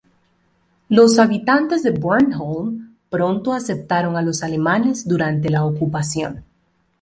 Los habitantes de Bornholm pronto aceptaron a los alemanes durante la ocupación.